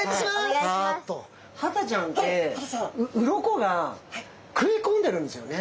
ハタちゃんってうろこが食い込んでるんですよね。